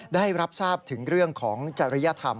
ได้รับทราบถึงเรื่องของจริยธรรม